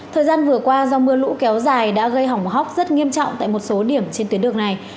thời gian vừa qua do mưa lũ kéo dài đã gây hỏng hóc rất nghiêm trọng tại một số điểm trên tuyến đường này